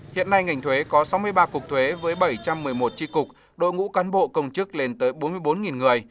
hiện nay ngành thuế có sáu mươi ba cục thuế với bảy trăm một mươi một tri cục đội ngũ cán bộ công chức lên tới bốn mươi bốn người